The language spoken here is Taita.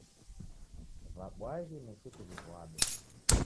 W'abwaghi suti w'iw'ado.